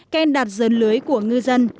khen đặt dớn lưới của ngư dân